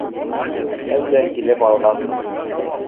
Әлдә килеп алғанмын